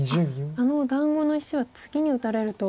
あのお団子の石は次に打たれると。